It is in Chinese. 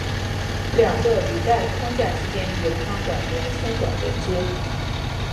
两个履带框架之间由钢管和铅管连接。